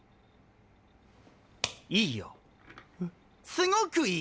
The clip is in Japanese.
すごくいい！